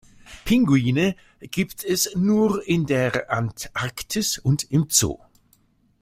Pinguine gibt es nur in der Antarktis und im Zoo.